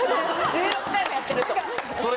１６回もやってると。